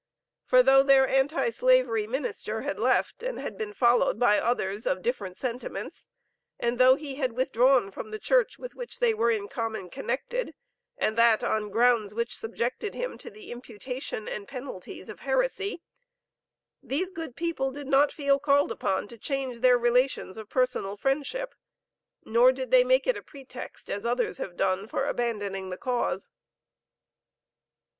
For though their anti slavery minister had left and had been followed by others of different sentiments and though he had withdrawn from the church with which they were in common connected, and that on grounds which subjected him to the imputation and penalties af heresy, these good people did not feel called upon to change their relations of personal friendship, nor did they make it a pretext, as others have done, for abandoning the cause."